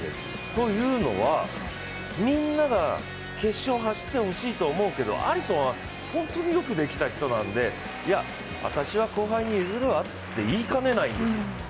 というのは、みんなが決勝を走ってほしいと思うけど、アリソンは、本当によくできた人なので、私は後輩に譲るわって言いかねないんです。